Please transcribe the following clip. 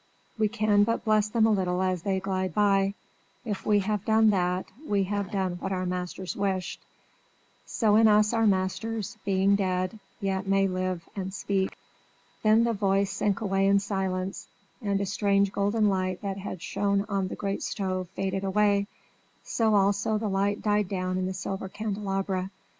We can but bless them a little as they glide by: if we have done that, we have done what our masters wished. So in us our masters, being dead, yet may speak and live." Then the voice sank away in silence, and a strange golden light that had shone on the great stove faded away; so also the light died down in the silver candelabra.